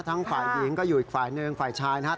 ฝ่ายหญิงก็อยู่อีกฝ่ายหนึ่งฝ่ายชายนะครับ